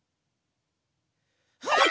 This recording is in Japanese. はい！